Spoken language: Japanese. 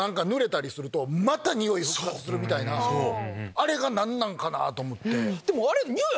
あれが何なんかなと思って。